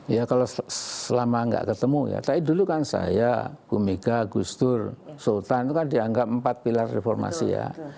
ya kalau selama nggak ketemu ya tapi dulu kan saya bu mega gus dur sultan itu kan dianggap empat pilar reformasi ya